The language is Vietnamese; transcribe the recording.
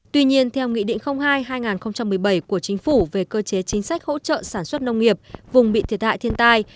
tuy nhiên theo nghị định hai hai nghìn một mươi bảy của chính phủ về cơ chế chính sách hỗ trợ sản xuất nông nghiệp vùng bị thiệt hại thiên tai